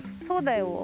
そうだよ。